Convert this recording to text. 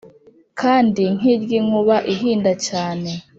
kandi nk’iry’inkuba ihinda cyane,